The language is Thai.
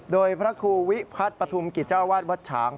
โดยพระครูวิพัฒน์ปฐุมกิจเจ้าวาดวัดฉาง